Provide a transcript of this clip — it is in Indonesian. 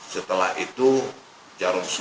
setelah itu jarum sembunyikan